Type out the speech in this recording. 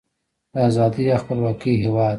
د ازادۍ او خپلواکۍ هیواد.